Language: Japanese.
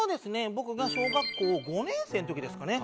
僕が小学校５年生の時ですかね。